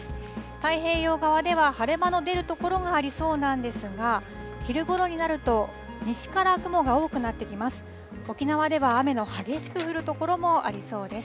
太平洋側では晴れ間の出る所がありそうなんですが、昼ごろになると、西から雲が多くなってきます。